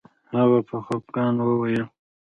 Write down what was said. هغه په خفګان وویل